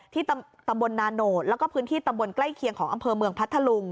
ตำบลนาโนตแล้วก็พื้นที่ตำบลใกล้เคียงของอำเภอเมืองพัทธลุง